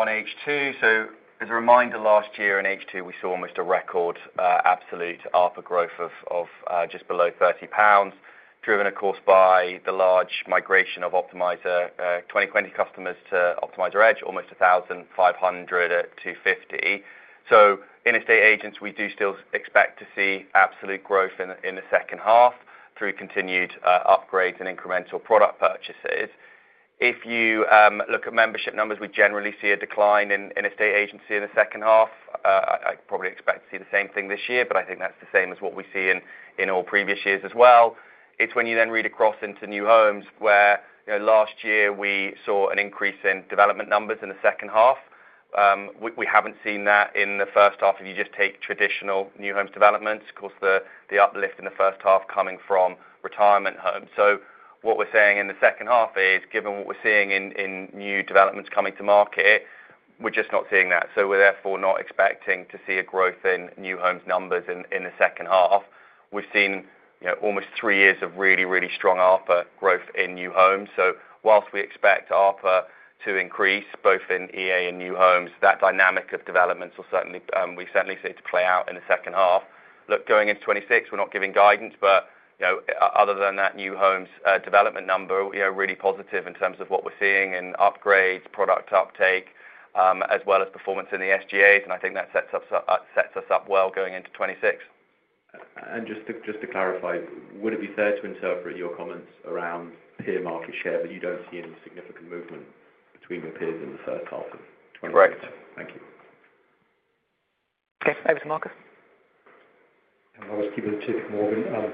A: H2, as a reminder, last year in H2 we saw almost a record absolute ARPA growth of just below 30 pounds, driven of course by the large migration of Optimiser 2020 customers-Optimiser Edge, almost 1,500 at 250. In estate agents, we do still expect to see absolute growth in the second half through continued upgrades and incremental product purchases. If you look at membership numbers, we generally see a decline in estate agency in the second half. I probably expect to see the same thing this year, but I think that's the same as what we see in all previous years as well. When you then read across into new homes, where last year we saw an increase in development numbers in the second half, we haven't seen that in the first half. If you just take traditional new homes developments, the uplift in the first half is coming from retirement homes. What we're saying in the second half is, given what we're seeing in new developments coming to market, we're just not seeing that. We're therefore not expecting to see a growth in new homes numbers in the second half. We've seen almost three years of really, really strong ARPA growth in new homes. Whilst we expect ARPA to increase both in estate agency and new homes, that dynamic of developments will certainly play out in the second half. Going into 2026, we're not giving guidance, but other than that new homes development number, it's really positive in terms of what we're seeing in upgrades, product uptake, as well as performance in the SGA's. I think that sets us up well going into 2026.
E: Just to clarify, would it be fair to interpret your comments around peer market share, but you don't see any? Significant movement between the peers in the. First half of the. Thank you.
C: Okay, over to Lars. I'm Lars Kiebet, JPMorgan.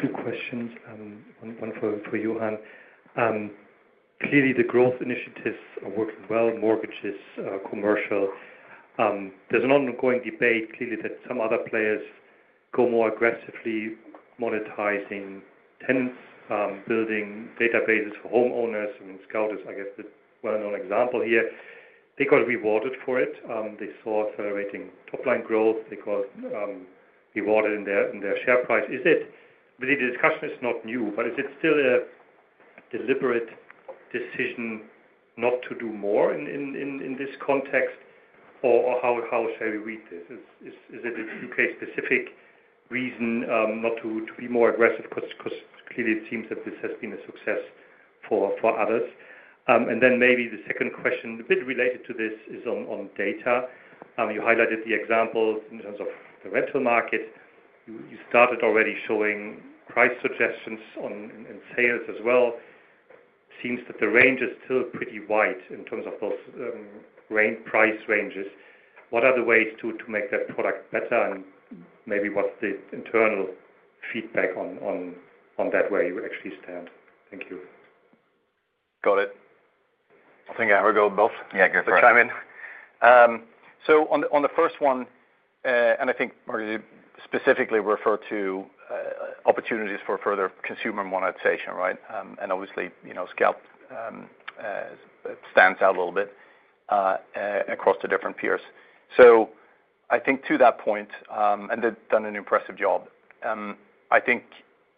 C: Two questions, one for Johan. Clearly the growth initiatives are working well. Mortgages, commercial. There's an ongoing debate clearly that some other players go more aggressively monetizing tenants, building databases for homeowners. Scout is, I guess, the well-known example here. They got rewarded for it, they saw accelerating top line growth, they got rewarded in their share price. Is it really the discussion is not new, but is it still a deliberate decision not to do more in this context? How shall we read this? Is it a UK specific reason not to be more aggressive? Because clearly it seems that this has been a success for others. The second question, a bit related to this, is on data. You highlighted the example in terms of the rental market. You started already showing price suggestions in sales as well. Seems that the range is still pretty wide in terms of those price ranges. What are the ways to make that product better and maybe what's the internal feedback on that, where you actually stand. Thank you.
A: Got it. I think I will go both. Yeah, go for it. Chime in. On the first one, and I think Margot, you specifically refer to opportunities for further consumer monetization. Right. Obviously, you know, Scout stands out a little bit across the different peers. To that point, they've done an impressive job. I think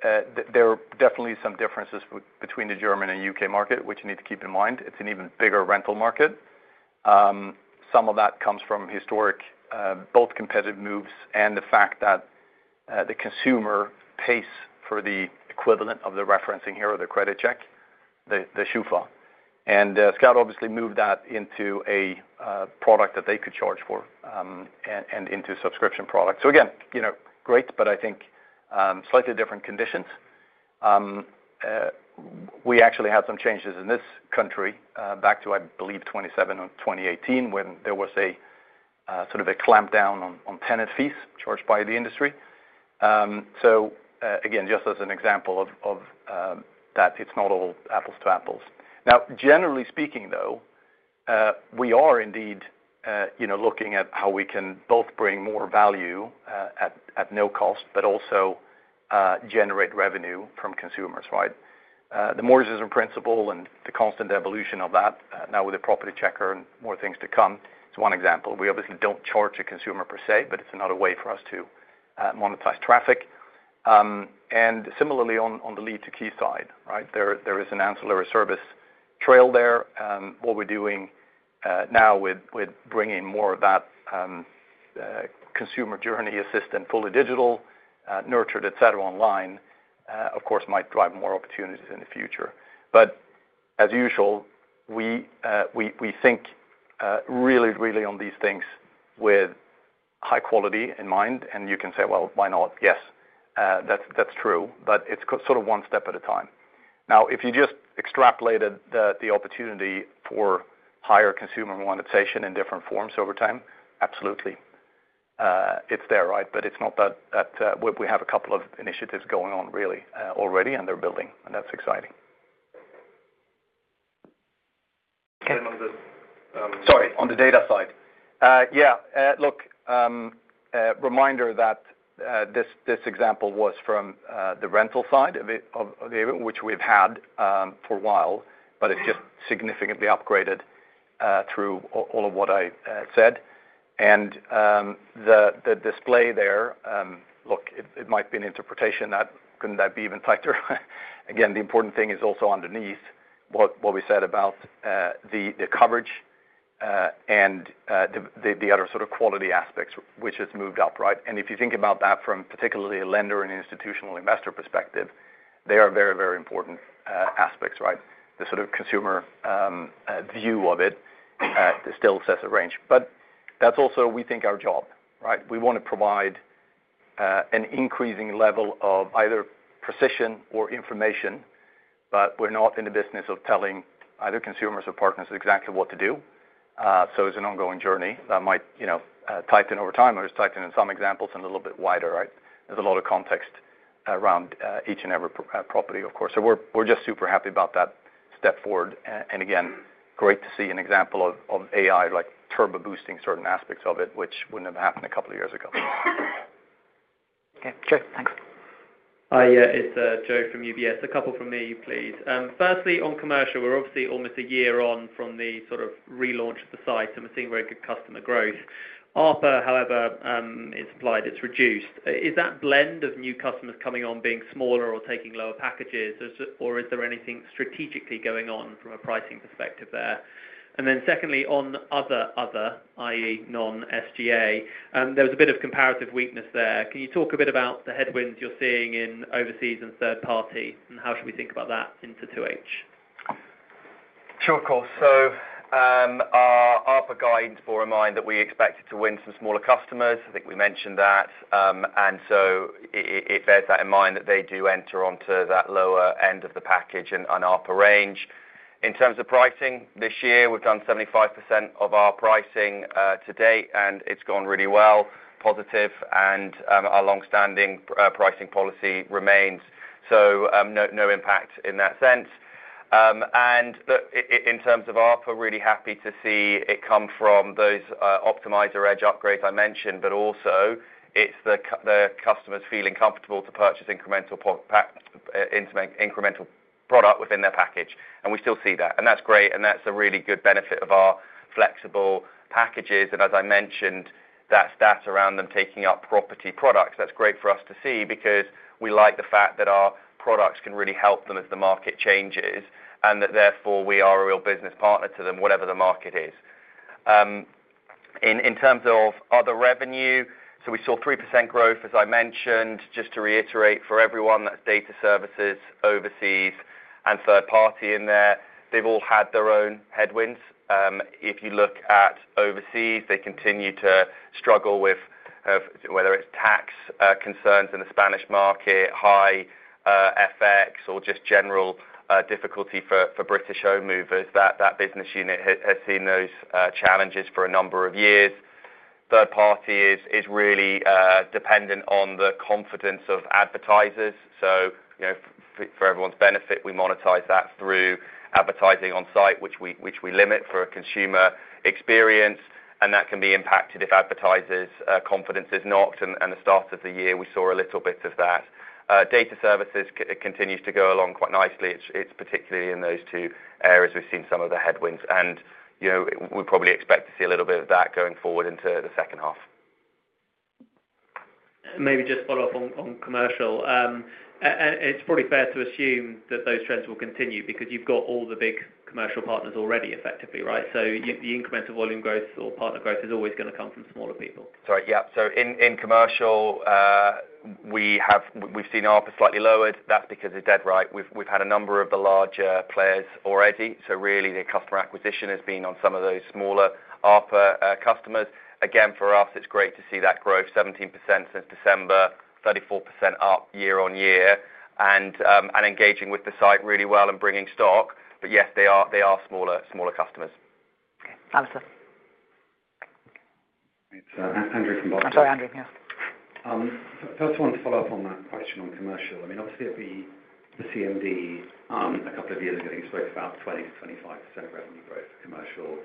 A: there are definitely some differences between the German and UK market which you need to keep in mind. It's an even bigger rental market. Some of that comes from historic, both competitive moves and the fact that the consumer pays for the equivalent of the referencing here or the credit check. The Schufa and Scout obviously moved that into a product that they could charge for and into subscription products. Again, great, but I think slightly different conditions. We actually had some changes in this country back to, I believe, 2017 or 2018 when there was a sort of a clampdown on tenant fees charged by the industry. Just as an example of that, it's not all apples to apples. Generally speaking, though, we are indeed looking at how we can both bring more value at no cost, but also generate revenue from consumers. The mortgage is in principle and the constant evolution of that now with the Property Checker and more things to come. It's one example. We obviously don't charge a consumer per se, but it's another way for us to monetize traffic. Similarly, on the lead to key side, there is an ancillary service trail there. What we're doing now with bringing more of that Consumer Journey Assistant, fully digital, nurtured, et cetera, online, of course, might drive more opportunities in the future. As usual, we think really, really on these things with high quality in mind. You can say, why not? Yes, that's true, but it's sort of one step at a time. If you just extrapolated the opportunity for higher consumer monetization in different forms over time, absolutely, it's there. Right. We have a couple of initiatives going on already and they're building and that's exciting. Sorry. On the data side, yeah, look, reminder that this example was from the rental side, which we've had for a while, but it's just significantly upgraded through all of what I said and the display there. Look, it might be an interpretation that couldn't that be even tighter? Again, the important thing is also underneath what we said about the coverage and the other sort of quality aspects, which has moved up. Right. If you think about that from particularly a lender and institutional investor perspective, they are very, very important aspects. Right. The sort of consumer view of it still sets a range, but that's also, we think, our job. Right.We want to provide an increasing level of either precision or information, but we're not in the business of telling either consumers or partners exactly what to do. It's an ongoing journey that might tighten over time or just tighten in some examples, and a little bit wider. There's a lot of context around each and every property, of course, so we're just super happy about that step forward. Again, great to see an example of AI like turbo boosting certain aspects of it, which wouldn't have happened a couple of years ago.
C: Joe, thanks. Hi, it's Joe from UBS. A couple from me, please. Firstly, on commercial, we're obviously almost a year on from the sort of relaunch of the site and we're seeing very good customer growth. ARPA, however, is applied, it's reduced. Is that blend of new customers coming on, being smaller or taking lower packages or is there anything strategically going on from a pricing perspective there? Secondly, on other other that is non-SGA, there was a bit of comparative weakness there. Can you talk a bit about the headwinds you're seeing in overseas and third party and how should we think about that into 2H?
B: Sure, of course. Our ARPA guidance bore in mind that we expected to win some smaller customers. I think we mentioned that. It bears that in mind that they do enter onto that lower end of the package and ARPA range. In terms of pricing, this year we've done 75% of our pricing to date, and it's gone really well. Positive. Our long standing pricing policy remains, so no impact in that sense. In terms of ARPA, really happy to see it come from those Optimiser Edge upgrades I mentioned. It's the customers feeling comfortable to purchase incremental, incremental product within their package. We still see that and that's great. That's a really good benefit of our flexible packages. As I mentioned, that stat around them taking up property products, that's great for us to see because we like the fact that our products can really help them as the market changes and that therefore we are a real business partner to them, whatever the market is. In terms of other revenue, we saw 3% growth as I mentioned. Just to reiterate for everyone, that's data services, overseas, and third party in there. They've all had their own headwinds. If you look at overseas, they continue to struggle with whether it's tax concerns in the Spanish market, high FX, or just general difficulty for British home movers. That business unit has seen those challenges for a number of years. Third party is really dependent on the confidence of advertisers. For everyone's benefit, we monetize that through advertising on site, which we limit for a consumer experience, and that can be impacted if advertisers' confidence is not. At the start of the year, we saw a little bit of that. Data services continues to go along quite nicely. It's particularly in those two areas we've seen some of the headwinds, and we probably expect to see a little bit of that going forward into the second half. Maybe just follow up on commercial. It's probably fair to assume that those trends will continue because you've got all the big commercial partners already, effectively. Right. The incremental volume growth or partner growth is always going to come from smaller people. Sorry. Yes, in commercial we've seen ARPA slightly lowered. That's because. Because it's dead. Right. We've had a number of the larger players already. Really, the customer acquisition has been on some of those smaller ARPA customers. For us, it's great to see that growth: 17% since December, 34% up year on year. They're engaging with the site really well and bringing stock. Yes, they are smaller customers.
C: Alastair. Andrew from Barclays, first one to follow up on that question on commercial. Obviously at the CMD a couple of years ago, you spoke about 20%-25% of revenue growth for commercial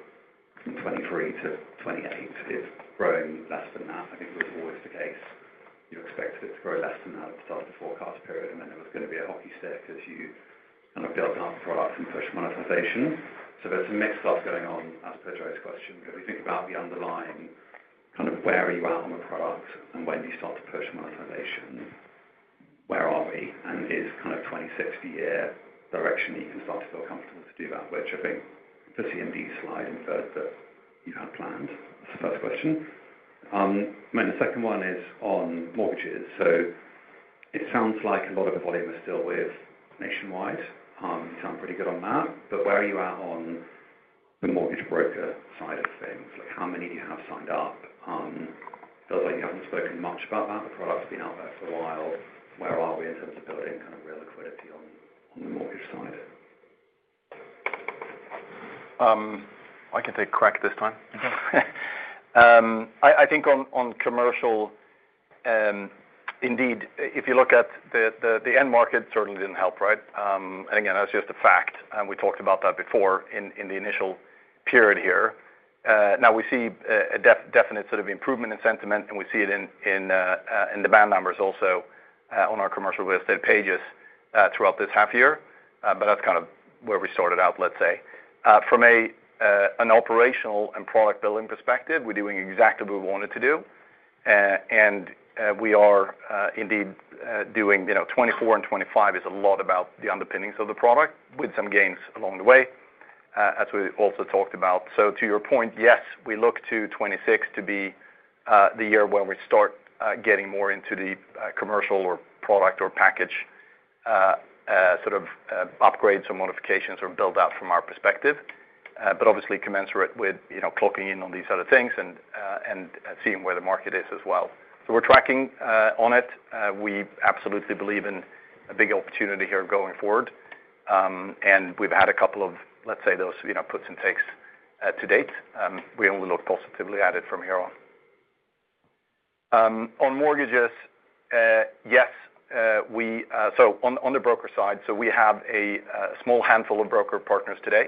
C: from 2023- 2028. It's growing less than that. I think it was always the case you expected it to grow less than that at the start of the forecast period, and then there was going to be a hockey stick as you build up products and push monetization. There's a mixed stuff going on as per Joe question. If you think about the underlying kind of where are you at on the product and when you start to push monetization, where are we, and is kind of 2026 the year direction you can start to feel comfortable to do that, which I think the CMD slide inferred that you had planned. That's the first question. The second one is on mortgages. It sounds like a lot of the volume is still with Nationwide, sound pretty good on that. Where are you at on the mortgage broker side of things, like how many do you have signed up? Feels like you haven't spoken much about that. The product's been out there for a while. Where are we in terms of building kind of real liquidity on the mortgage side?
A: I can take a crack this time. I think on commercial, indeed if you look at the end market, certainly didn't help. Right. That's just a fact, and we talked about that before in the initial period here. Now we see a definite sort of improvement in sentiment, and we see it in demand numbers also on our commercial real estate pages throughout this half year. That's kind of where we started out. From an operational and product building perspective, we're doing exactly what we wanted to do, and we are indeed doing, you know, 2024 and 2025 is a lot about the underpinnings of the product with some gains along the way, as we also talked about. To your point, yes, we look to 2026 to be the year where we start getting more into the commercial or product or package sort of upgrades or modifications or build out from our perspective. Obviously, commensurate with clocking in on these other things and seeing where the market is as well. We're tracking on it. We absolutely believe in a big opportunity here going forward, and we've had a couple of, let's say, those puts and takes to date. We only look positively at it from here on. On mortgages, yes, on the broker side, we have a small handful of broker partners today.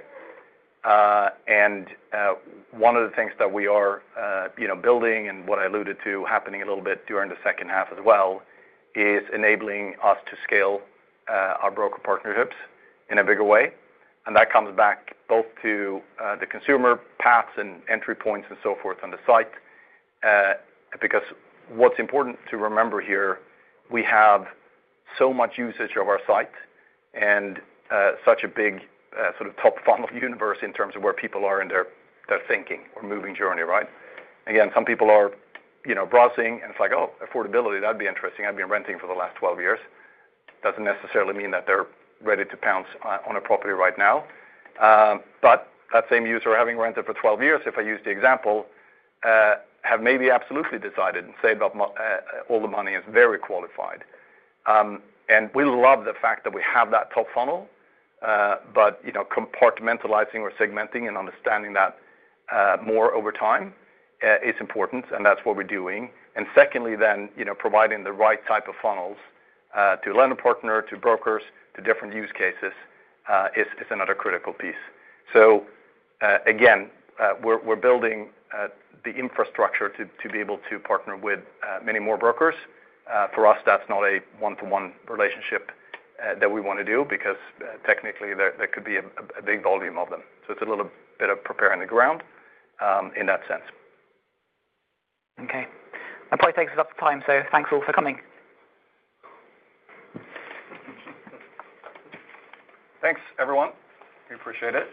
A: One of the things that we are building, and what I alluded to happening a little bit during the second half as well, is enabling us to scale our broker partnerships in a bigger way. That comes back both to the consumer paths and entry points and so forth on the site. What's important to remember here, we have so much usage of our site and such a big sort of top funnel universe in terms of where people are in their thinking or moving journey. Right. Again, some people are browsing and it's like, oh, affordability, that'd be interesting. I've been renting for the last 12 years, doesn't necessarily mean that they're ready to pounce on a property right now. That same user, having rented for 12 years, if I use the example, have maybe absolutely decided and saved up all the money as very qualified. We love the fact that we have that top funnel. Compartmentalizing or segmenting and understanding that more over time is important and that's what we're doing. Secondly, providing the right type of funnels to a lender partner, to brokers, to different use cases is another critical piece. Again, we're building the infrastructure to be able to partner with many more brokers. For us, that's not a one for one relationship that we want to do because technically there could be a big volume of them. It's a little bit of preparing the ground in that sense.
C: Okay, that probably takes us up to time. Thanks all for coming.
A: Thanks, everyone. We appreciate it.